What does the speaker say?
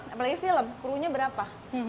apalagi film crew nya berapa